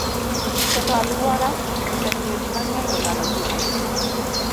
Ketho alwora osemiyo ji mang'eny olalo ngimagi.